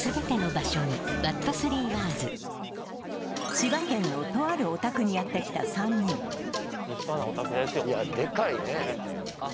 千葉県のとあるお宅にやって来た３人いやでかいねあっ